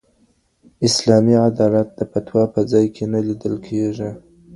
اسلامي عدالت د فتوا په ځای کې نه لیدل کېږي.